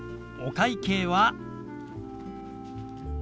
お会計は。